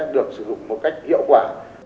được sử dụng một cách hiệu quả